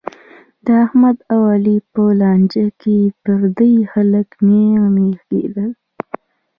د احمد او علي په لانجه کې پردي خلک نېغ نېغ کېدل.